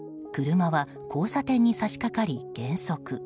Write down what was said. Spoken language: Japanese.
車は交差点に差し掛かり減速。